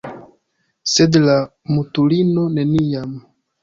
Sed la mutulino neniam